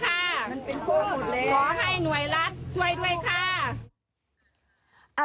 ขอให้หน่วยรัฐช่วยด้วยค่ะ